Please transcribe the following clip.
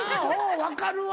分かるわ。